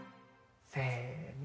せの。